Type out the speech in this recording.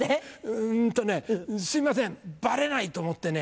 うんとねすいませんバレないと思ってね